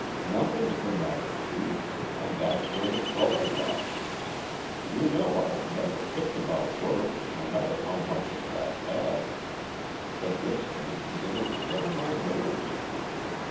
"Nothing's the matter, Chief and that's where the trouble lies. You know I've never kicked about work, no matter how much of it I've had. But this thing's beginning to get on my nerves.